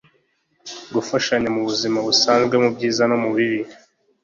gufashanya mu buzima busanzwe mu byiza no mu bibi